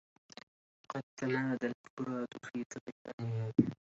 قد تمادى الفرات في طغيانه